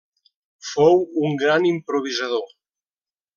Fou un gran improvisador.